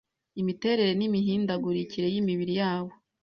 imiterere n’imihindagurikire yimibiri yabo